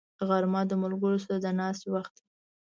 غرمه د ملګرو سره د ناستې وخت دی